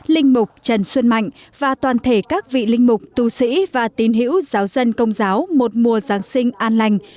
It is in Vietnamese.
linh mục trần xuân mạnh và toàn thể các vị linh mục tù sĩ và tín hiểu giáo dân công giáo một mùa giáng sinh an lành